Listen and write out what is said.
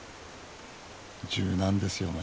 柔軟ですよね